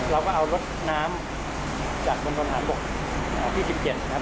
เราก็เอารถน้ำจากบนทนฐานบกที่๑๗นะครับ